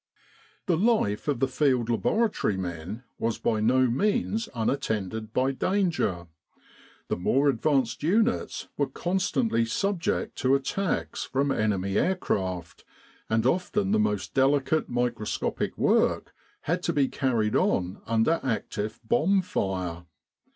The life of the Field Laboratory men was by no means unattended by danger. The more advanced units were constantly subject to attacks from enemy aircraft, and often the most delicate microscopic work had to be carried on under active bomb fire.